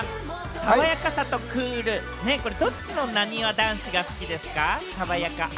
爽やかさとクール、これ、どっちのなにわ男子が好きですか？